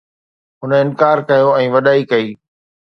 هن انڪار ڪيو ۽ وڏائي ڪئي